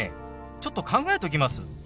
ちょっと考えときます。